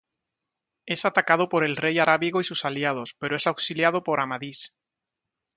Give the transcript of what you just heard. Es atacado por el rey Arábigo y sus aliados, pero es auxiliado por Amadís.